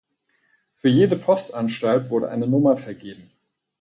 Für jede Postanstalt wurde eine Nummer vergeben.